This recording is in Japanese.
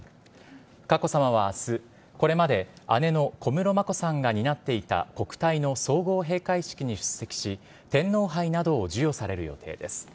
佳子さまはあす、これまで姉の小室眞子さんが担っていた国体の総合閉会式に出席し、天皇杯などを授与される予定です。